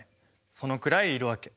そのくらい要るわけ。